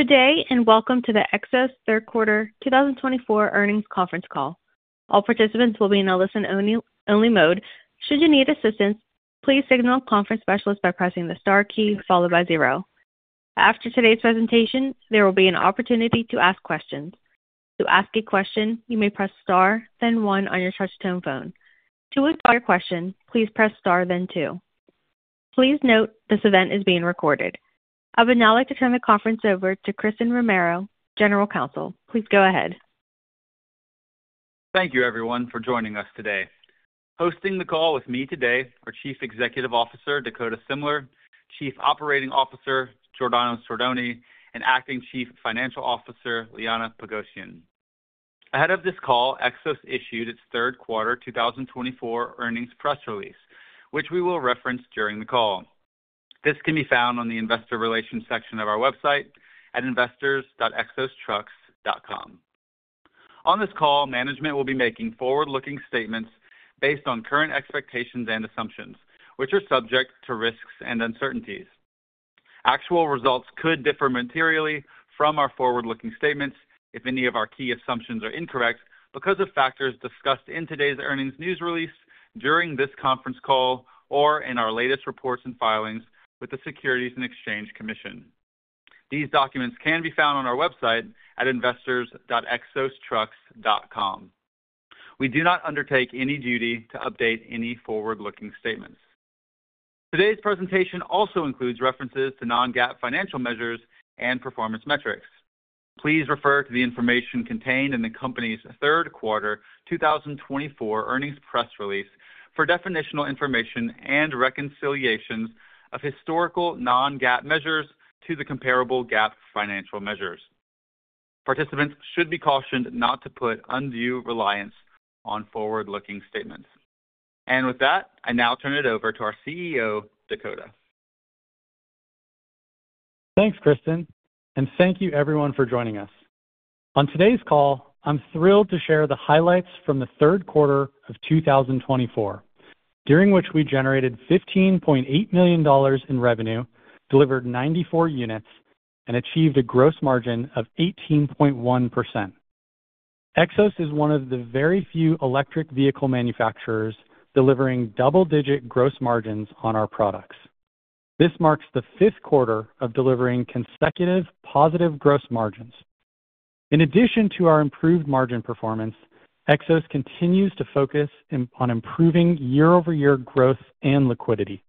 Good day and welcome to the Xos Third Quarter 2024 earnings conference call. All participants will be in a listen-only mode. Should you need assistance, please signal conference specialist by pressing the star key followed by zero. After today's presentation, there will be an opportunity to ask questions. To ask a question, you may press star, then one on your touch-tone phone. To withdraw your question, please press star, then two. Please note this event is being recorded. I would now like to turn the conference over to Christen Romero, General Counsel. Please go ahead. Thank you, everyone, for joining us today. Hosting the call with me today are Chief Executive Officer Dakota Semler, Chief Operating Officer Giordano Sordoni, and Acting Chief Financial Officer Liana Pogosyan. Ahead of this call, Xos issued its Third Quarter 2024 earnings press release, which we will reference during the call. This can be found on the investor relations section of our website at investors.xostrucks.com. On this call, management will be making forward-looking statements based on current expectations and assumptions, which are subject to risks and uncertainties. Actual results could differ materially from our forward-looking statements if any of our key assumptions are incorrect because of factors discussed in today's earnings news release during this conference call or in our latest reports and filings with the Securities and Exchange Commission. These documents can be found on our website at investors.xostrucks.com. We do not undertake any duty to update any forward-looking statements. Today's presentation also includes references to non-GAAP financial measures and performance metrics. Please refer to the information contained in the company's Third Quarter 2024 earnings press release for definitional information and reconciliations of historical non-GAAP measures to the comparable GAAP financial measures. Participants should be cautioned not to put undue reliance on forward-looking statements, and with that, I now turn it over to our CEO, Dakota. Thanks, Christen, and thank you, everyone, for joining us. On today's call, I'm thrilled to share the highlights from the Third Quarter of 2024, during which we generated $15.8 million in revenue, delivered 94 units, and achieved a gross margin of 18.1%. Xos is one of the very few electric vehicle manufacturers delivering double-digit gross margins on our products. This marks the fifth quarter of delivering consecutive positive gross margins. In addition to our improved margin performance, Xos continues to focus on improving year-over-year growth and liquidity.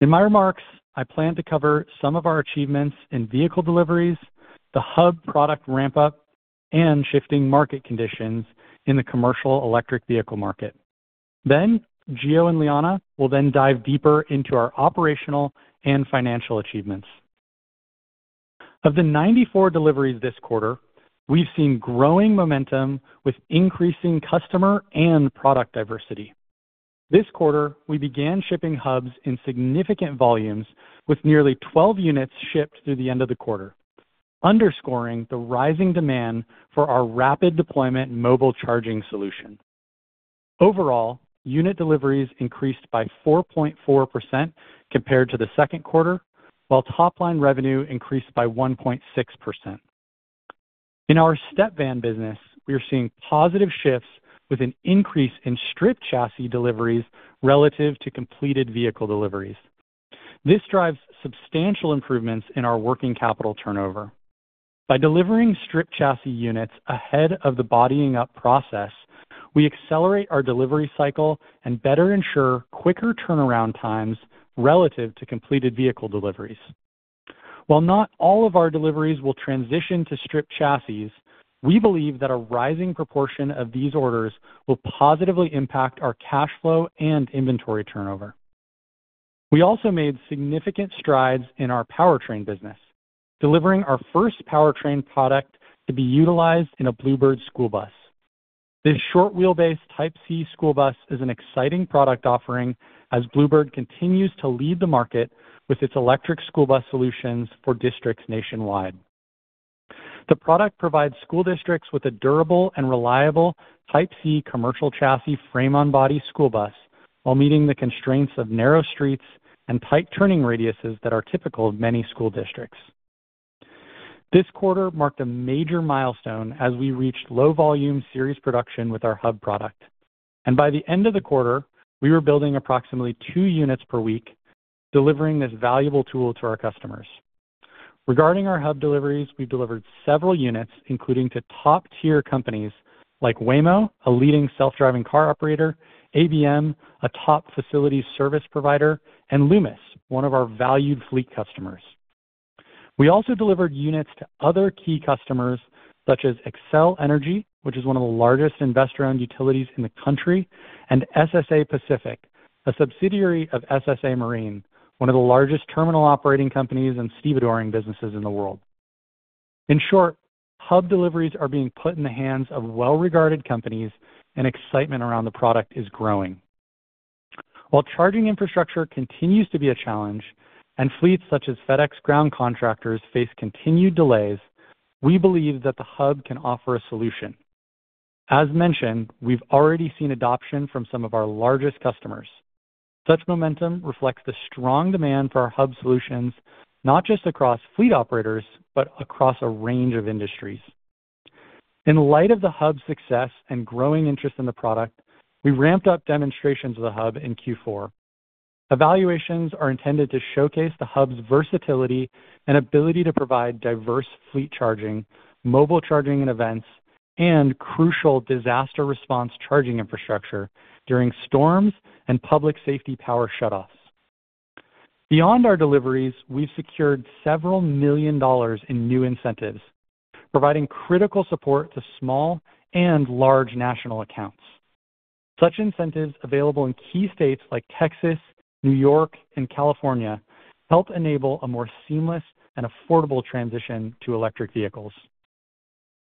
In my remarks, I plan to cover some of our achievements in vehicle deliveries, the hub product ramp-up, and shifting market conditions in the commercial electric vehicle market. Then, Gio and Liana will then dive deeper into our operational and financial achievements. Of the 94 deliveries this quarter, we've seen growing momentum with increasing customer and product diversity. This quarter, we began shipping hubs in significant volumes, with nearly 12 units shipped through the end of the quarter, underscoring the rising demand for our rapid deployment mobile charging solution. Overall, unit deliveries increased by 4.4% compared to the second quarter, while top-line revenue increased by 1.6%. In our step van business, we are seeing positive shifts with an increase in strip chassis deliveries relative to completed vehicle deliveries. This drives substantial improvements in our working capital turnover. By delivering strip chassis units ahead of the bodying-up process, we accelerate our delivery cycle and better ensure quicker turnaround times relative to completed vehicle deliveries. While not all of our deliveries will transition to strip chassis, we believe that a rising proportion of these orders will positively impact our cash flow and inventory turnover. We also made significant strides in our powertrain business, delivering our first powertrain product to be utilized in a Blue Bird school bus. This short-wheelbase Type C school bus is an exciting product offering as Blue Bird continues to lead the market with its electric school bus solutions for districts nationwide. The product provides school districts with a durable and reliable Type C commercial chassis frame-on-body school bus while meeting the constraints of narrow streets and tight turning radii that are typical of many school districts. This quarter marked a major milestone as we reached low-volume series production with our hub product. And by the end of the quarter, we were building approximately two units per week, delivering this valuable tool to our customers. Regarding our hub deliveries, we delivered several units, including to top-tier companies like Waymo, a leading self-driving car operator. ABM, a top facility service provider. And Loomis, one of our valued fleet customers. We also delivered units to other key customers such as Xcel Energy, which is one of the largest investor-owned utilities in the country. And SSA Pacific, a subsidiary of SSA Marine, one of the largest terminal operating companies and stevedoring businesses in the world. In short, hub deliveries are being put in the hands of well-regarded companies, and excitement around the product is growing. While charging infrastructure continues to be a challenge and fleets such as FedEx Ground contractors face continued delays, we believe that the hub can offer a solution. As mentioned, we've already seen adoption from some of our largest customers. Such momentum reflects the strong demand for our hub solutions, not just across fleet operators, but across a range of industries. In light of the hub's success and growing interest in the product, we ramped up demonstrations of the hub in fourth quarter. Evaluations are intended to showcase the hub's versatility and ability to provide diverse fleet charging, mobile charging and events, and crucial disaster response charging infrastructure during storms and public safety power shutoffs. Beyond our deliveries, we've secured several million dollars in new incentives, providing critical support to small and large national accounts. Such incentives, available in key states like Texas, New York, and California, help enable a more seamless and affordable transition to electric vehicles.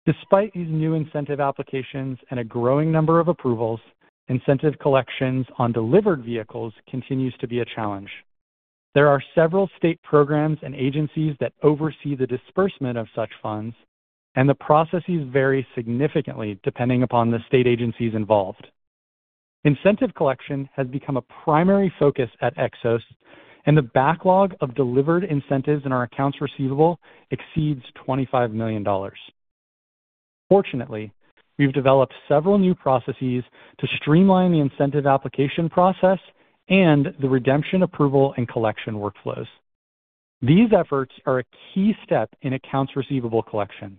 Despite these new incentive applications and a growing number of approvals, incentive collections on delivered vehicles continue to be a challenge. There are several state programs and agencies that oversee the disbursement of such funds, and the processes vary significantly depending upon the state agencies involved. Incentive collection has become a primary focus at Xos, and the backlog of delivered incentives in our accounts receivable exceeds $25 million. Fortunately, we've developed several new processes to streamline the incentive application process and the redemption approval and collection workflows. These efforts are a key step in accounts receivable collection.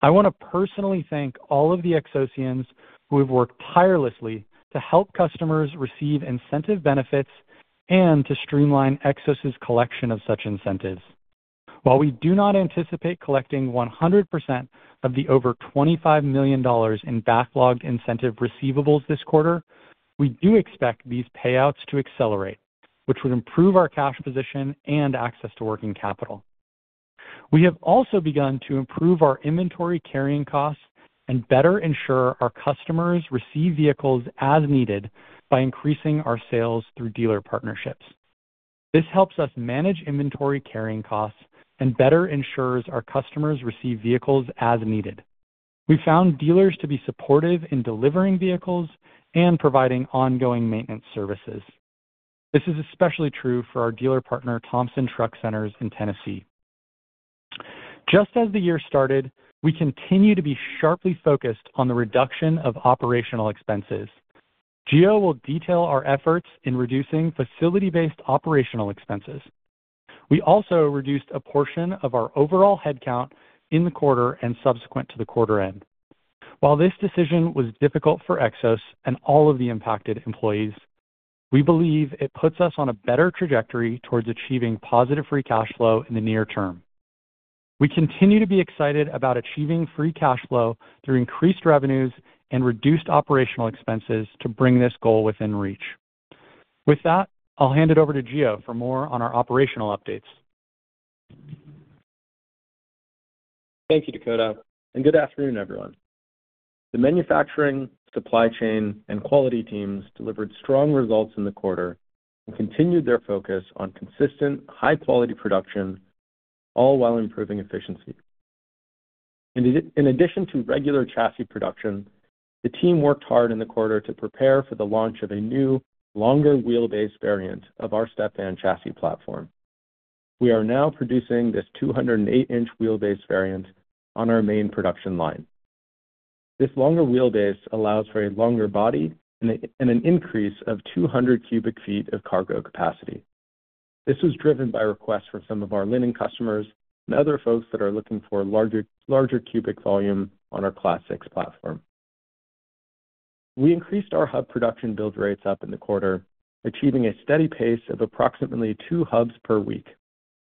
I want to personally thank all of the Xosians who have worked tirelessly to help customers receive incentive benefits and to streamline Xos's collection of such incentives. While we do not anticipate collecting 100% of the over $25 million in backlogged incentive receivables this quarter, we do expect these payouts to accelerate, which would improve our cash position and access to working capital. We have also begun to improve our inventory carrying costs and better ensure our customers receive vehicles as needed by increasing our sales through dealer partnerships. This helps us manage inventory carrying costs and better ensures our customers receive vehicles as needed. We found dealers to be supportive in delivering vehicles and providing ongoing maintenance services. This is especially true for our dealer partner, Thompson Truck Centers in Tennessee. Just as the year started, we continue to be sharply focused on the reduction of operational expenses. Gio will detail our efforts in reducing facility-based operational expenses. We also reduced a portion of our overall headcount in the quarter and subsequent to the quarter end. While this decision was difficult for Xos and all of the impacted employees, we believe it puts us on a better trajectory towards achieving positive free cash flow in the near term. We continue to be excited about achieving free cash flow through increased revenues and reduced operational expenses to bring this goal within reach. With that, I'll hand it over to Gio for more on our operational updates. Thank you, Dakota, and good afternoon, everyone. The manufacturing, supply chain, and quality teams delivered strong results in the quarter and continued their focus on consistent, high-quality production, all while improving efficiency. In addition to regular chassis production, the team worked hard in the quarter to prepare for the launch of a new, longer wheelbase variant of our step van chassis platform. We are now producing this 208-inch wheelbase variant on our main production line. This longer wheelbase allows for a longer body and an increase of 200 cubic feet of cargo capacity. This was driven by requests from some of our linen customers and other folks that are looking for larger cubic volume on our Class 6 platform. We increased our hub production build rates up in the quarter, achieving a steady pace of approximately two hubs per week.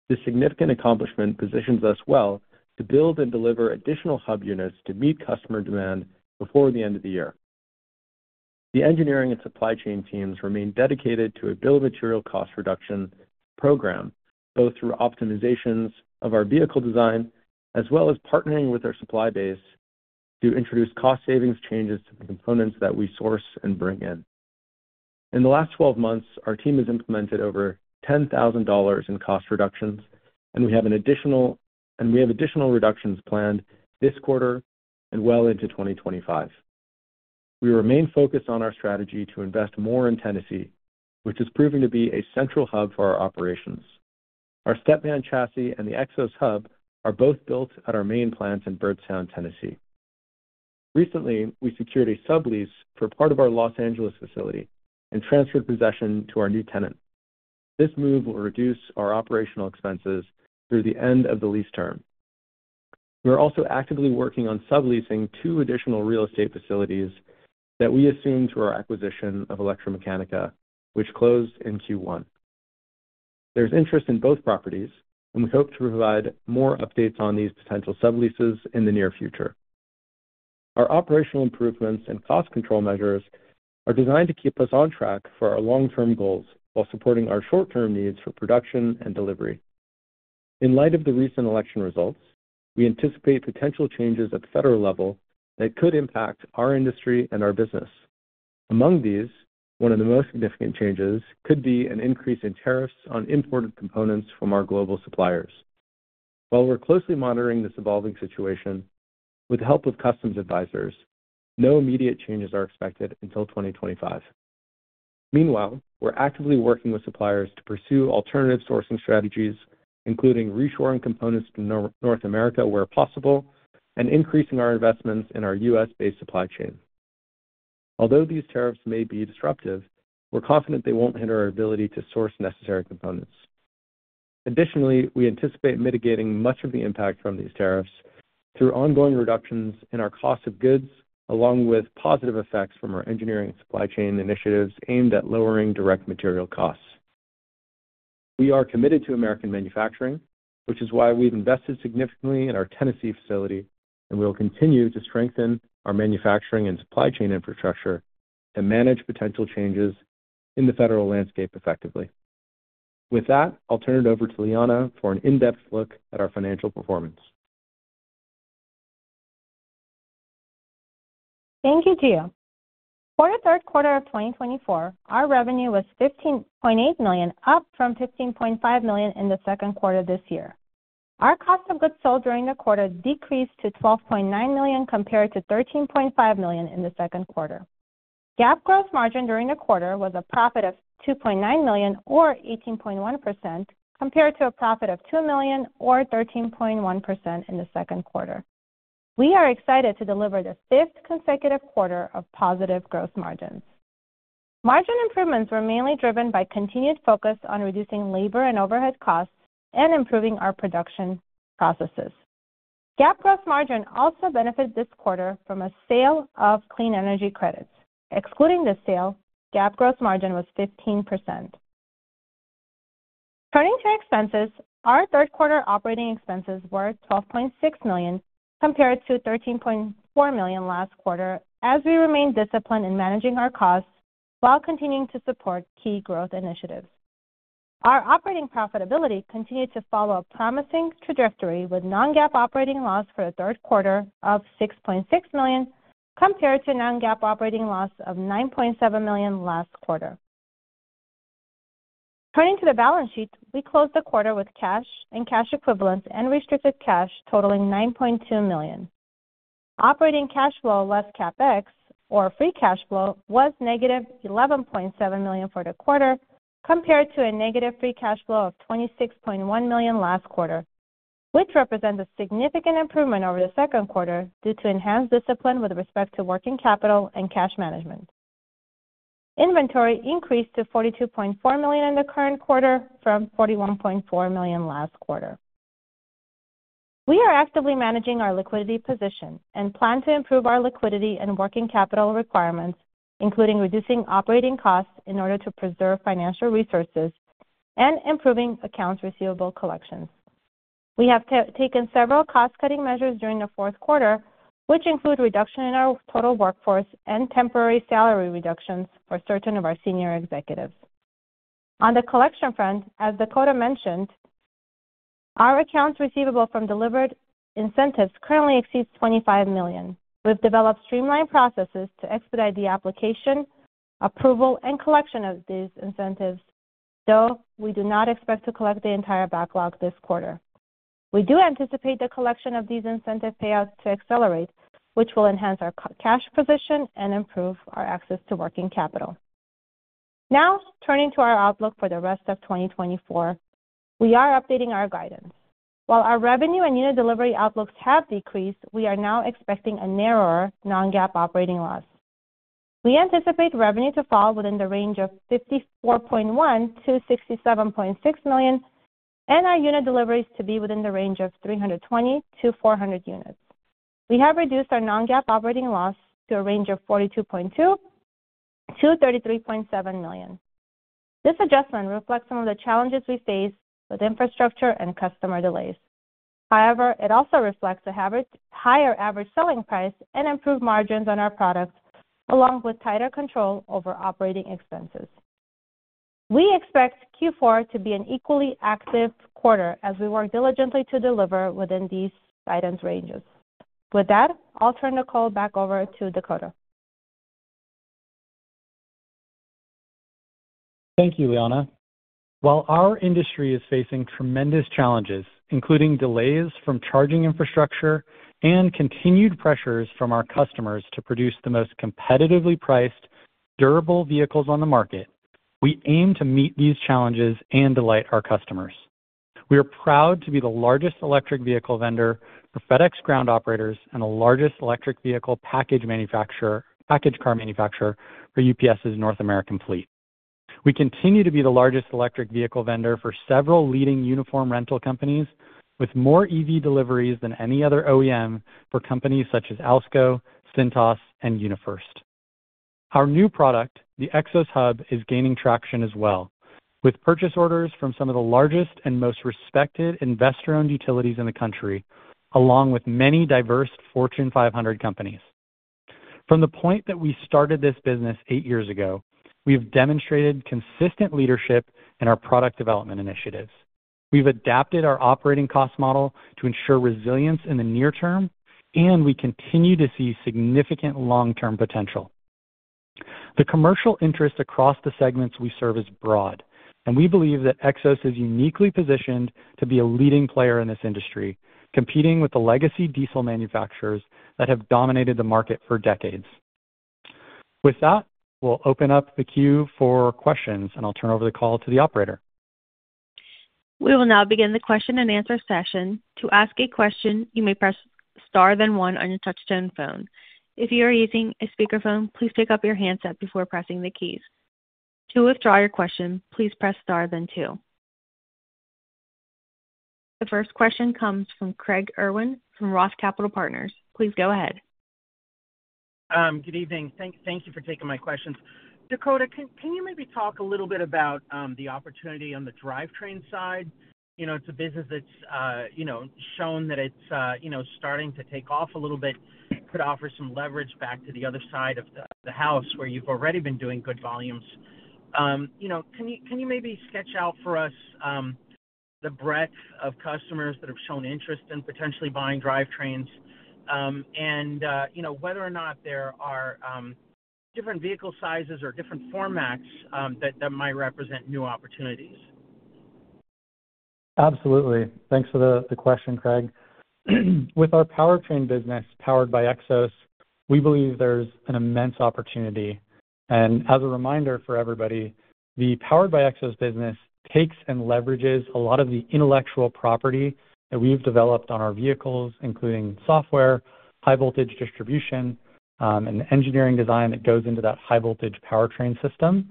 This significant accomplishment positions us well to build and deliver additional hub units to meet customer demand before the end of the year. The engineering and supply chain teams remain dedicated to a bill of material cost reduction program, both through optimizations of our vehicle design as well as partnering with our supply base to introduce cost-savings changes to the components that we source and bring in. In the last 12 months, our team has implemented over $10,000 in cost reductions, and we have additional reductions planned this quarter and well into 2025. We remain focused on our strategy to invest more in Tennessee, which is proving to be a central hub for our operations. Our step van chassis and the Xos Hub are both built at our main plant in Byrdstown, Tennessee. Recently, we secured a sublease for part of our Los Angeles facility and transferred possession to our new tenant. This move will reduce our operational expenses through the end of the lease term. We are also actively working on subleasing two additional real estate facilities that we assumed through our acquisition of ElectraMeccanica, which closed in first quarter. There's interest in both properties, and we hope to provide more updates on these potential subleases in the near future. Our operational improvements and cost control measures are designed to keep us on track for our long-term goals while supporting our short-term needs for production and delivery. In light of the recent election results, we anticipate potential changes at the federal level that could impact our industry and our business. Among these, one of the most significant changes could be an increase in tariffs on imported components from our global suppliers. While we're closely monitoring this evolving situation, with the help of customs advisors, no immediate changes are expected until 2025. Meanwhile, we're actively working with suppliers to pursue alternative sourcing strategies, including reshoring components to North America where possible and increasing our investments in our U.S.-based supply chain. Although these tariffs may be disruptive, we're confident they won't hinder our ability to source necessary components. Additionally, we anticipate mitigating much of the impact from these tariffs through ongoing reductions in our cost of goods, along with positive effects from our engineering supply chain initiatives aimed at lowering direct material costs. We are committed to American manufacturing, which is why we've invested significantly in our Tennessee facility, and we'll continue to strengthen our manufacturing and supply chain infrastructure and manage potential changes in the federal landscape effectively. With that, I'll turn it over to Liana for an in-depth look at our financial performance. Thank you, Gio. For the third quarter of 2024, our revenue was $15.8 million, up from $15.5 million in the second quarter this year. Our cost of goods sold during the quarter decreased to $12.9 million compared to $13.5 million in the second quarter. GAAP gross margin during the quarter was a profit of $2.9 million, or 18.1%, compared to a profit of $2 million, or 13.1%, in the second quarter. We are excited to deliver the fifth consecutive quarter of positive gross margins. Margin improvements were mainly driven by continued focus on reducing labor and overhead costs and improving our production processes. GAAP gross margin also benefited this quarter from a sale of clean energy credits. Excluding the sale, GAAP gross margin was 15%. Turning to expenses, our third quarter operating expenses were $12.6 million compared to $13.4 million last quarter, as we remained disciplined in managing our costs while continuing to support key growth initiatives. Our operating profitability continued to follow a promising trajectory, with non-GAAP operating loss for the third quarter of $6.6 million compared to non-GAAP operating loss of $9.7 million last quarter. Turning to the balance sheet, we closed the quarter with cash and cash equivalents and restricted cash totaling $9.2 million. Operating cash flow less CapEx, or free cash flow, was negative $11.7 million for the quarter compared to a negative free cash flow of $26.1 million last quarter, which represents a significant improvement over the second quarter due to enhanced discipline with respect to working capital and cash management. Inventory increased to $42.4 million in the current quarter from $41.4 million last quarter. We are actively managing our liquidity position and plan to improve our liquidity and working capital requirements, including reducing operating costs in order to preserve financial resources and improving accounts receivable collections. We have taken several cost-cutting measures during the fourth quarter, which include a reduction in our total workforce and temporary salary reductions for certain of our senior executives. On the collection front, as Dakota mentioned, our accounts receivable from delivered incentives currently exceeds $25 million. We've developed streamlined processes to expedite the application, approval, and collection of these incentives, though we do not expect to collect the entire backlog this quarter. We do anticipate the collection of these incentive payouts to accelerate, which will enhance our cash position and improve our access to working capital. Now, turning to our outlook for the rest of 2024, we are updating our guidance. While our revenue and unit delivery outlooks have decreased, we are now expecting a narrower non-GAAP operating loss. We anticipate revenue to fall within the range of $54.1-$67.6 million and our unit deliveries to be within the range of 320-400 units. We have reduced our non-GAAP operating loss to a range of $42.2 to $33.7 million. This adjustment reflects some of the challenges we face with infrastructure and customer delays. However, it also reflects a higher average selling price and improved margins on our products, along with tighter control over operating expenses. We expect fourth quarter to be an equally active quarter as we work diligently to deliver within these guidance ranges. With that, I will turn the call back over to Dakota. Thank you, Liana. While our industry is facing tremendous challenges, including delays from charging infrastructure and continued pressures from our customers to produce the most competitively priced, durable vehicles on the market, we aim to meet these challenges and delight our customers. We are proud to be the largest electric vehicle vendor for FedEx ground operators and the largest electric vehicle package car manufacturer for UPS's North American fleet. We continue to be the largest electric vehicle vendor for several leading uniform rental companies, with more EV deliveries than any other OEM for companies such as Alsco, Cintas, and UniFirst. Our new product, the Xos Hub, is gaining traction as well, with purchase orders from some of the largest and most respected investor-owned utilities in the country, along with many diverse Fortune 500 companies. From the point that we started this business eight years ago, we have demonstrated consistent leadership in our product development initiatives. We've adapted our operating cost model to ensure resilience in the near term, and we continue to see significant long-term potential. The commercial interest across the segments we serve is broad, and we believe that Xos is uniquely positioned to be a leading player in this industry, competing with the legacy diesel manufacturers that have dominated the market for decades. With that, we'll open up the queue for questions, and I'll turn over the call to the operator. We will now begin the question and answer session. To ask a question, you may press star then one on your touchtone phone. If you are using a speakerphone, please pick up your handset before pressing the keys. To withdraw your question, please press star then two. The first question comes from Craig Irwin from Roth Capital Partners. Please go ahead. Good evening. Thank you for taking my questions. Dakota, can you maybe talk a little bit about the opportunity on the drivetrain side? It's a business that's shown that it's starting to take off a little bit, could offer some leverage back to the other side of the house where you've already been doing good volumes. Can you maybe sketch out for us the breadth of customers that have shown interest in potentially buying drivetrains and whether or not there are different vehicle sizes or different formats that might represent new opportunities? Absolutely. Thanks for the question, Craig. With our powertrain business Powered by Xos, we believe there's an immense opportunity. And as a reminder for everybody, the powered by Excess business takes and leverages a lot of the intellectual property that we've developed on our vehicles, including software, high-voltage distribution, and engineering design that goes into that high-voltage powertrain system.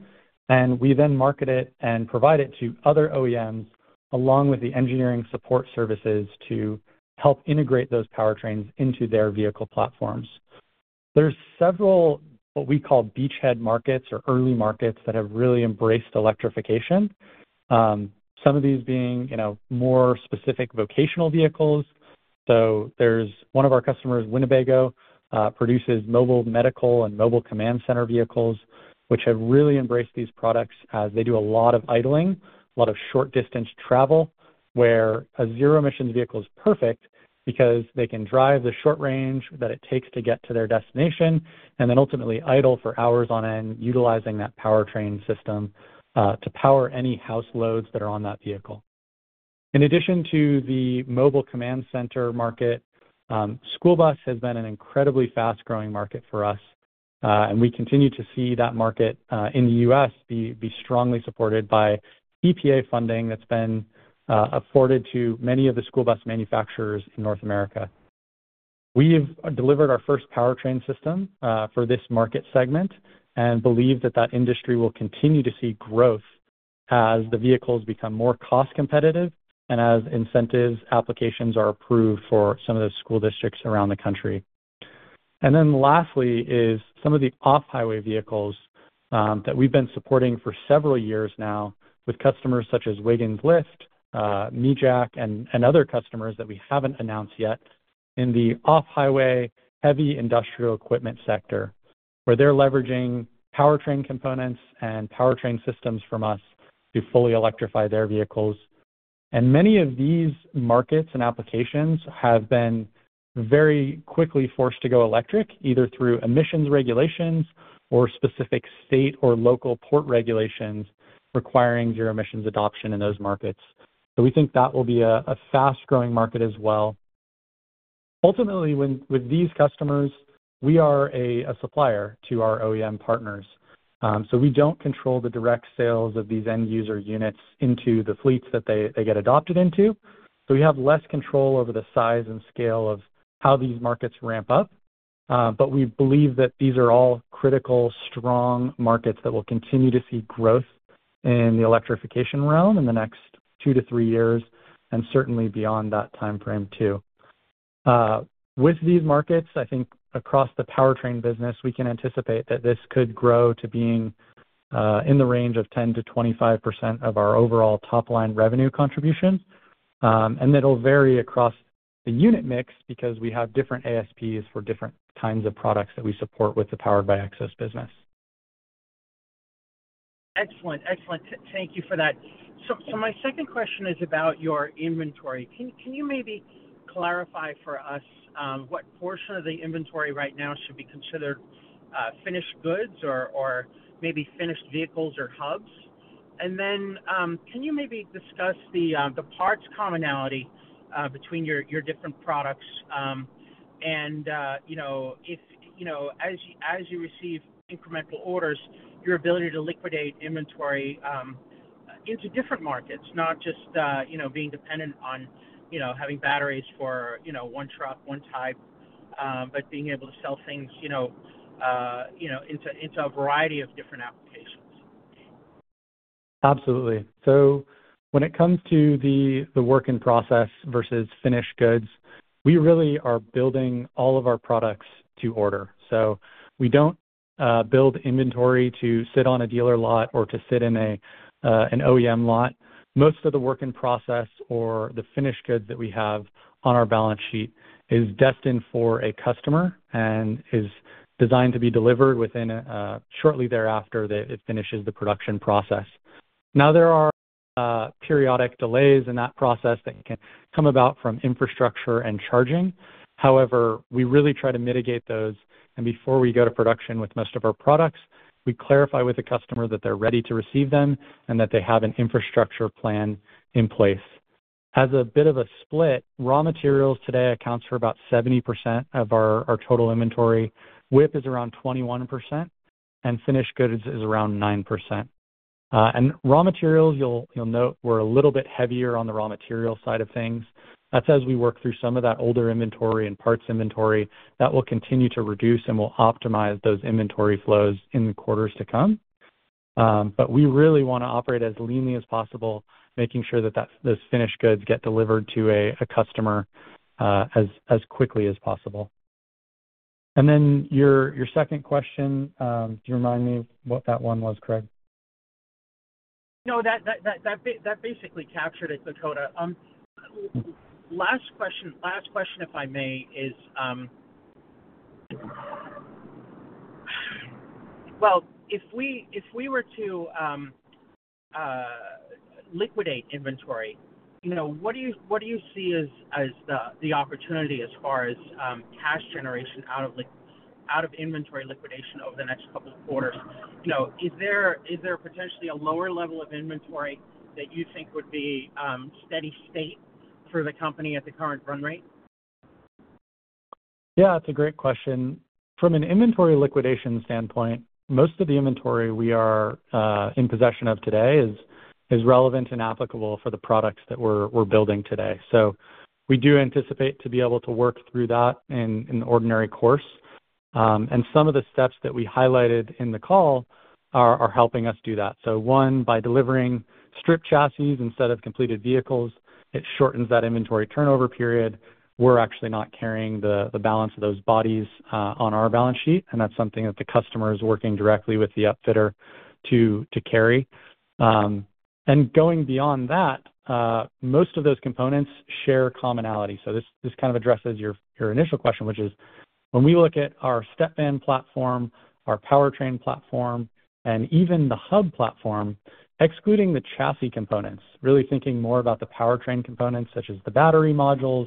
And we then market it and provide it to other OEMs along with the engineering support services to help integrate those powertrains into their vehicle platforms. There's several what we call beachhead markets or early markets that have really embraced electrification, some of these being more specific vocational vehicles. So there's one of our customers, Winnebago, produces mobile medical and mobile command center vehicles, which have really embraced these products as they do a lot of idling, a lot of short-distance travel, where a zero-emissions vehicle is perfect because they can drive the short range that it takes to get to their destination and then ultimately idle for hours on end, utilizing that powertrain system to power any house loads that are on that vehicle. In addition to the mobile command center market, school bus has been an incredibly fast-growing market for us, and we continue to see that market in the U.S. be strongly supported by EPA funding that's been afforded to many of the school bus manufacturers in North America. We have delivered our first powertrain system for this market segment and believe that the industry will continue to see growth as the vehicles become more cost-competitive and as incentive applications are approved for some of the school districts around the country. And then lastly, some of the off-highway vehicles that we've been supporting for several years now with customers such as Wiggins Lift, Mi-Jack, and other customers that we haven't announced yet in the off-highway heavy industrial equipment sector, where they're leveraging powertrain components and powertrain systems from us to fully electrify their vehicles. And many of these markets and applications have been very quickly forced to go electric, either through emissions regulations or specific state or local port regulations requiring zero-emissions adoption in those markets. So we think that will be a fast-growing market as well. Ultimately, with these customers, we are a supplier to our OEM partners. So we don't control the direct sales of these end-user units into the fleets that they get adopted into. So we have less control over the size and scale of how these markets ramp up, but we believe that these are all critical, strong markets that will continue to see growth in the electrification realm in the next two to three years and certainly beyond that timeframe, too. With these markets, I think across the powertrain business, we can anticipate that this could grow to being in the range of 10% to 25% of our overall top-line revenue contributions. And it'll vary across the unit mix because we have different ASPs for different kinds of products that we support with the Powered by Xos business. Excellent. Thank you for that. So my second question is about your inventory. Can you maybe clarify for us what portion of the inventory right now should be considered finished goods or maybe finished vehicles or hubs? And then can you maybe discuss the parts commonality between your different products and if, as you receive incremental orders, your ability to liquidate inventory into different markets, not just being dependent on having batteries for one truck, one type, but being able to sell things into a variety of different applications? Absolutely, so when it comes to the work in process versus finished goods, we really are building all of our products to order, so we don't build inventory to sit on a dealer lot or to sit in an OEM lot. Most of the work in process or the finished goods that we have on our balance sheet is destined for a customer and is designed to be delivered shortly thereafter that it finishes the production process. Now, there are periodic delays in that process that can come about from infrastructure and charging. However, we really try to mitigate those, and before we go to production with most of our products, we clarify with the customer that they're ready to receive them and that they have an infrastructure plan in place. As a bit of a split, raw materials today accounts for about 70% of our total inventory. WIP is around 21%, and finished goods is around 9%. Raw materials, you'll note, we're a little bit heavier on the raw material side of things. That's as we work through some of that older inventory and parts inventory. That will continue to reduce and will optimize those inventory flows in the quarters to come. We really want to operate as leanly as possible, making sure that those finished goods get delivered to a customer as quickly as possible. Then your second question, do you remind me what that one was, Craig? No, that basically captured it, Dakota. Last question, if I may, is well, if we were to liquidate inventory, what do you see as the opportunity as far as cash generation out of inventory liquidation over the next couple of quarters? Is there potentially a lower level of inventory that you think would be steady state for the company at the current run rate? Yeah, that's a great question. From an inventory liquidation standpoint, most of the inventory we are in possession of today is relevant and applicable for the products that we're building today. So we do anticipate to be able to work through that in ordinary course. And some of the steps that we highlighted in the call are helping us do that. So one, by delivering strip chassis instead of completed vehicles, it shortens that inventory turnover period. We're actually not carrying the balance of those bodies on our balance sheet, and that's something that the customer is working directly with the upfitter to carry. And going beyond that, most of those components share commonality. So this kind of addresses your initial question, which is when we look at our StepVan platform, our powertrain platform, and even the hub platform, excluding the chassis components, really thinking more about the powertrain components such as the battery modules,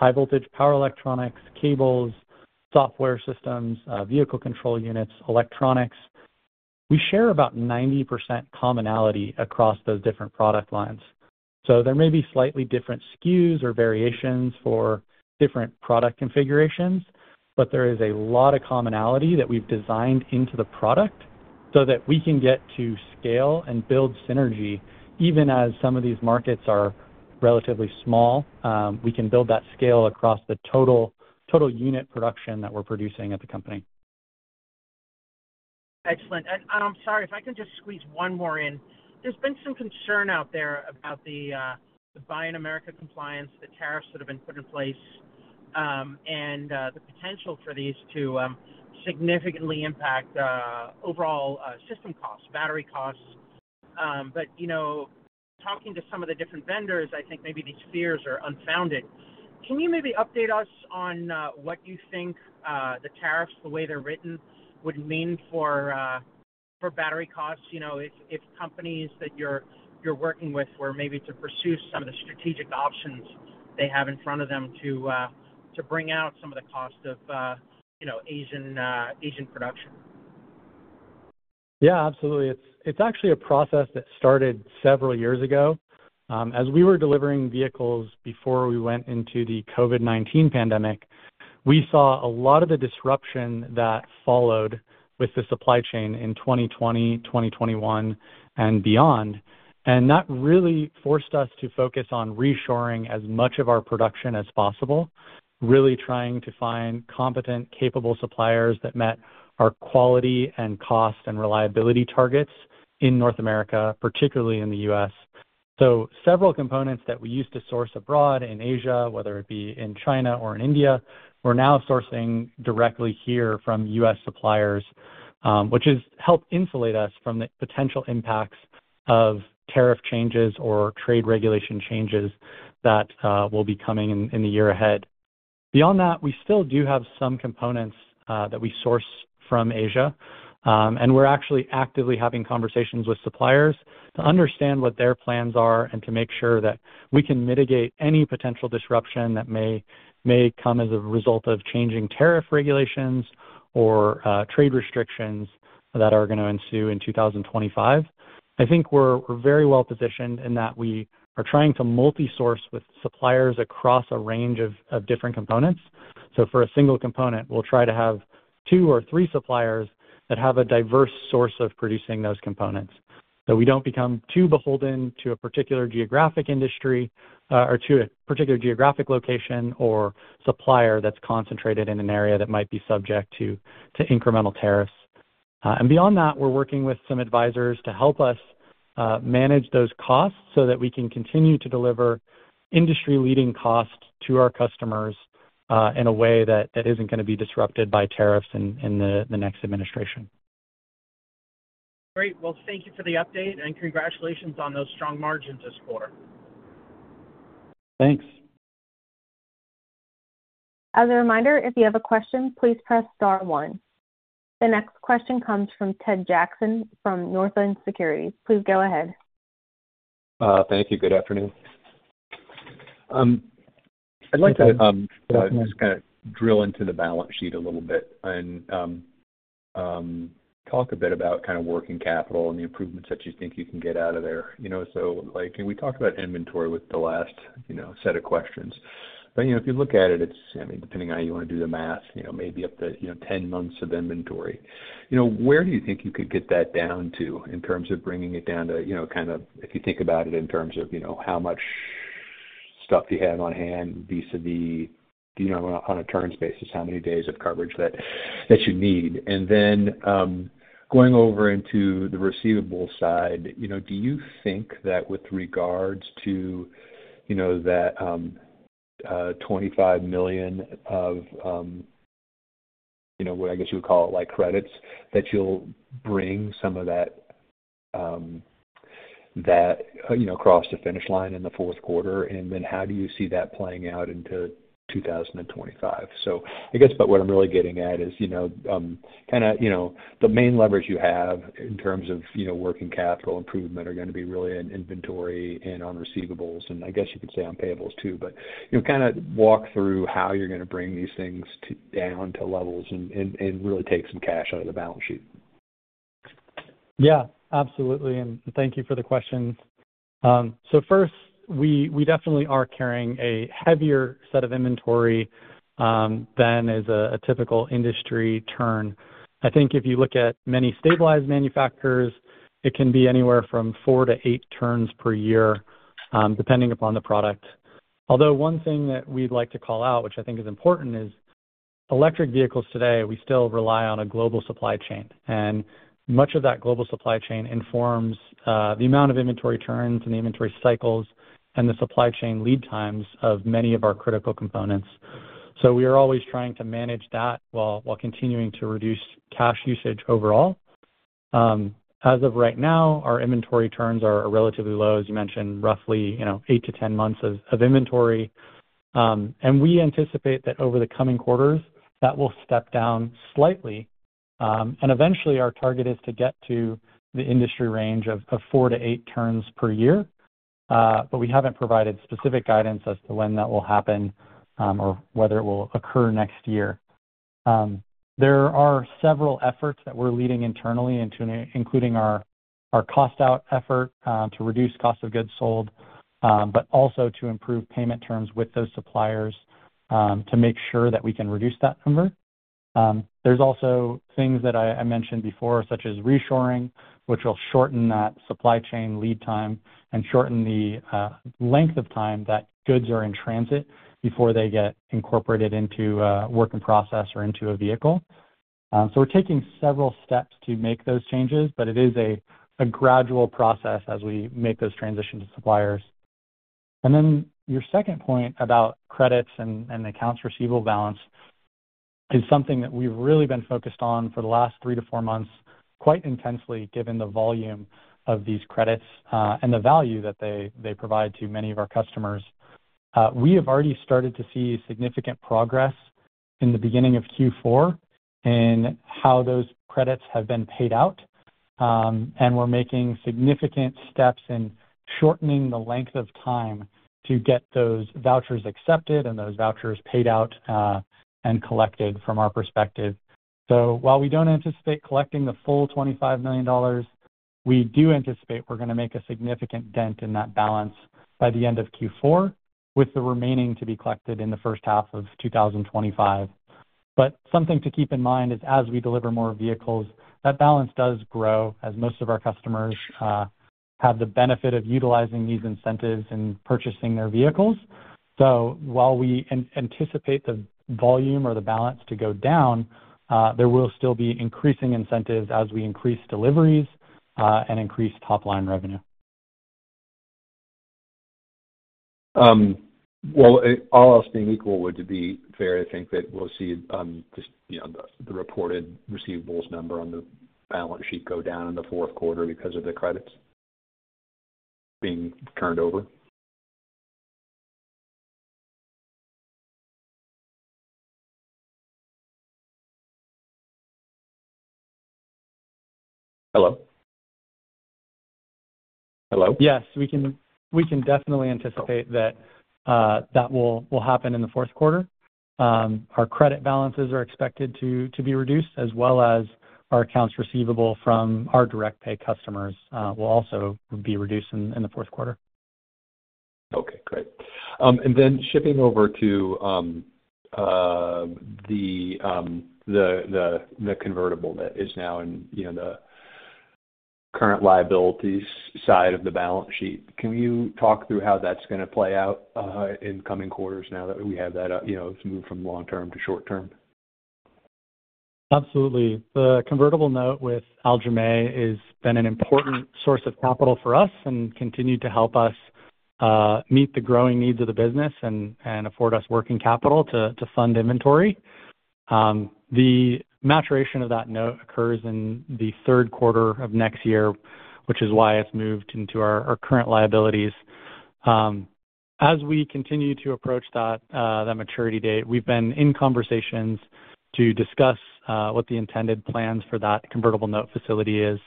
high-voltage power electronics, cables, software systems, vehicle control units, electronics, we share about 90% commonality across those different product lines. So there may be slightly different SKUs or variations for different product configurations, but there is a lot of commonality that we've designed into the product so that we can get to scale and build synergy. Even as some of these markets are relatively small, we can build that scale across the total unit production that we're producing at the company. Excellent. And I'm sorry if I can just squeeze one more in. There's been some concern out there about the Buy America compliance, the tariffs that have been put in place, and the potential for these to significantly impact overall system costs, battery costs. But talking to some of the different vendors, I think maybe these fears are unfounded. Can you maybe update us on what you think the tariffs, the way they're written, would mean for battery costs if companies that you're working with were maybe to pursue some of the strategic options they have in front of them to bring out some of the cost of Asian production? Yeah, absolutely. It's actually a process that started several years ago. As we were delivering vehicles before we went into the COVID-19 pandemic, we saw a lot of the disruption that followed with the supply chain in 2020, 2021, and beyond, and that really forced us to focus on reshoring as much of our production as possible, really trying to find competent, capable suppliers that met our quality and cost and reliability targets in North America, particularly in the U.S., so several components that we used to source abroad in Asia, whether it be in China or in India, we're now sourcing directly here from U.S. suppliers, which has helped insulate us from the potential impacts of tariff changes or trade regulation changes that will be coming in the year ahead. Beyond that, we still do have some components that we source from Asia. And we're actually actively having conversations with suppliers to understand what their plans are and to make sure that we can mitigate any potential disruption that may come as a result of changing tariff regulations or trade restrictions that are going to ensue in 2025. I think we're very well positioned in that we are trying to multi-source with suppliers across a range of different components. So for a single component, we'll try to have two or three suppliers that have a diverse source of producing those components so we don't become too beholden to a particular geographic industry or to a particular geographic location or supplier that's concentrated in an area that may be subject to incremental tariffs. Beyond that, we're working with some advisors to help us manage those costs so that we can continue to deliver industry-leading costs to our customers in a way that isn't going to be disrupted by tariffs in the next administration. Great. Well, thank you for the update, and congratulations on those strong margins this quarter. Thanks. As a reminder, if you have a question, please press star one. The next question comes from Ted Jackson from Northland Securities. Please go ahead. Thank you. Good afternoon. I'd like to just kind of drill into the balance sheet a little bit and talk a bit about kind of working capital and the improvements that you think you can get out of there. So we talked about inventory with the last set of questions. But if you look at it, it's, I mean, depending on how you want to do the math, maybe up to 10 months of inventory. Where do you think you could get that down to in terms of bringing it down to kind of, if you think about it in terms of how much stuff you have on hand vis-à-vis on a terms basis, how many days of coverage that you need? And then going over into the receivable side, do you think that with regards to that $25 million of, I guess you would call it credits, that you'll bring some of that across the finish line in the fourth quarter? And then how do you see that playing out into 2025? So I guess what I'm really getting at is kind of the main leverage you have in terms of working capital improvement are going to be really in inventory and on receivables. And I guess you could say on payables, too, but kind of walk through how you're going to bring these things down to levels and really take some cash out of the balance sheet. Yeah, absolutely. And thank you for the question. So first, we definitely are carrying a heavier set of inventory than is a typical industry turn. I think if you look at many stabilized manufacturers, it can be anywhere from four to eight turns per year, depending upon the product. Although one thing that we'd like to call out, which I think is important, is electric vehicles today. We still rely on a global supply chain. And much of that global supply chain informs the amount of inventory turns and the inventory cycles and the supply chain lead times of many of our critical components. So we are always trying to manage that while continuing to reduce cash usage overall. As of right now, our inventory turns are relatively low, as you mentioned, roughly 8 to 10 months of inventory. We anticipate that over the coming quarters, that will step down slightly. Eventually, our target is to get to the industry range of four to eight turns per year. We haven't provided specific guidance as to when that will happen or whether it will occur next year. There are several efforts that we're leading internally, including our cost-out effort to reduce cost of goods sold, but also to improve payment terms with those suppliers to make sure that we can reduce that number. There's also things that I mentioned before, such as reshoring, which will shorten that supply chain lead time and shorten the length of time that goods are in transit before they get incorporated into work in process or into a vehicle. We're taking several steps to make those changes, but it is a gradual process as we make those transitions to suppliers. And then your second point about credits and accounts receivable balance is something that we've really been focused on for the last three to four months quite intensely, given the volume of these credits and the value that they provide to many of our customers. We have already started to see significant progress in the beginning of fourth quarter in how those credits have been paid out. And we're making significant steps in shortening the length of time to get those vouchers accepted and those vouchers paid out and collected from our perspective. So while we don't anticipate collecting the full $25 million, we do anticipate we're going to make a significant dent in that balance by the end of fourth quarter, with the remaining to be collected in the first half of 2025. But something to keep in mind is, as we deliver more vehicles, that balance does grow as most of our customers have the benefit of utilizing these incentives in purchasing their vehicles. So while we anticipate the volume or the balance to go down, there will still be increasing incentives as we increase deliveries and increase top-line revenue. All else being equal, would it be fair to think that we'll see just the reported receivables number on the balance sheet go down in the fourth quarter because of the credits being turned over? Hello? Yes, we can definitely anticipate that that will happen in the fourth quarter. Our credit balances are expected to be reduced, as well as our accounts receivable from our direct pay customers will also be reduced in the fourth quarter. Okay, great. And then shifting over to the convertible that is now in the current liabilities side of the balance sheet, can you talk through how that's going to play out in coming quarters now that we have that moved from long-term to short-term? Absolutely. The convertible note with Aljomaih has been an important source of capital for us and continued to help us meet the growing needs of the business and afford us working capital to fund inventory. The maturation of that note occurs in the third quarter of next year, which is why it's moved into our current liabilities. As we continue to approach that maturity date, we've been in conversations to discuss what the intended plans for that convertible note facility is.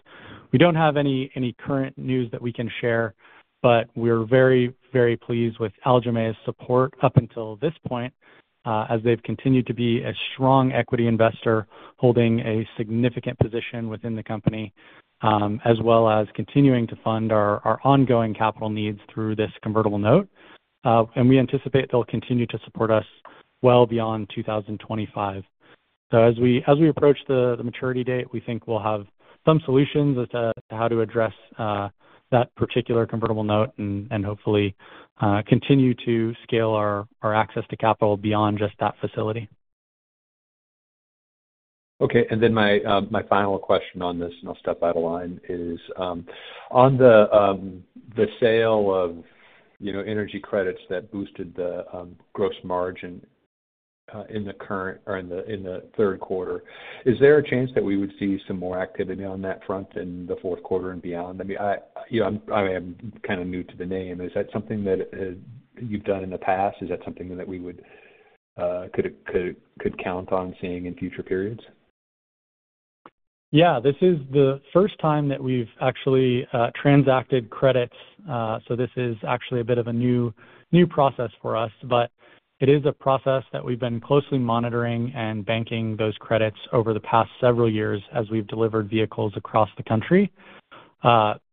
We don't have any current news that we can share, but we're very, very pleased with Aljomaih's support up until this point, as they've continued to be a strong equity investor holding a significant position within the company, as well as continuing to fund our ongoing capital needs through this convertible note, and we anticipate they'll continue to support us well beyond 2025. As we approach the maturity date, we think we'll have some solutions as to how to address that particular convertible note and hopefully continue to scale our access to capital beyond just that facility. Okay. And then my final question on this, and I'll step out of line, is on the sale of energy credits that boosted the gross margin in the current or in the third quarter, is there a chance that we would see some more activity on that front in the fourth quarter and beyond? I mean, I am kind of new to the name. Is that something that you've done in the past? Is that something that we could count on seeing in future periods? Yeah. This is the first time that we've actually transacted credits. So this is actually a bit of a new process for us, but it is a process that we've been closely monitoring and banking those credits over the past several years as we've delivered vehicles across the country.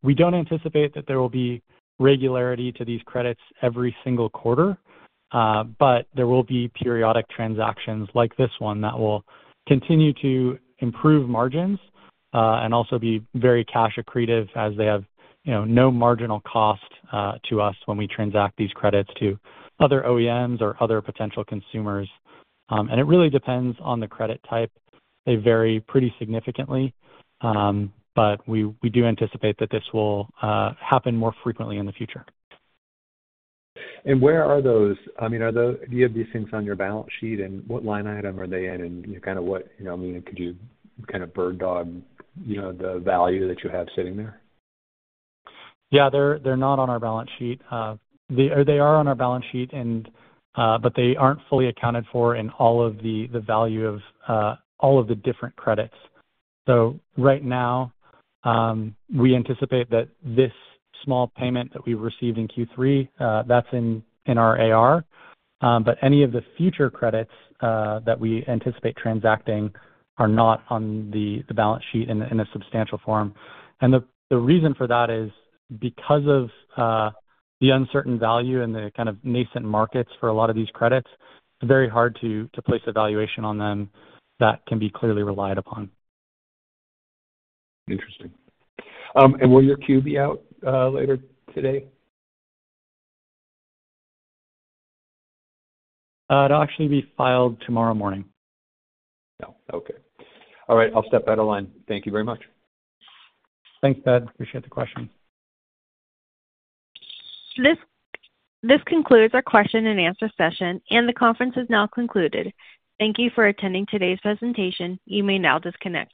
We don't anticipate that there will be regularity to these credits every single quarter, but there will be periodic transactions like this one that will continue to improve margins and also be very cash accretive as they have no marginal cost to us when we transact these credits to other OEMs or other potential consumers. And it really depends on the credit type. They vary pretty significantly, but we do anticipate that this will happen more frequently in the future. Where are those? I mean, do you have these things on your balance sheet, and what line item are they in, and kind of what I mean, could you kind of bird-dog the value that you have sitting there? Yeah, they're not on our balance sheet. They are on our balance sheet, but they aren't fully accounted for in all of the value of all of the different credits. So right now, we anticipate that this small payment that we received in third quarter, that's in our AR. But any of the future credits that we anticipate transacting are not on the balance sheet in a substantial form. And the reason for that is because of the uncertain value and the kind of nascent markets for a lot of these credits. It's very hard to place a valuation on them that can be clearly relied upon. Interesting. And will your Form 10-Q be out later today? It'll actually be filed tomorrow morning. Yeah. Okay. All right. I'll step out of line. Thank you very much. Thanks, Ted. Appreciate the question. This concludes our question-and-answer session, and the conference is now concluded. Thank you for attending today's presentation. You may now disconnect.